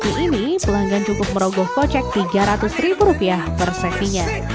dream tea ini pelanggan cukup merogoh kocek tiga ratus ribu rupiah per sesinya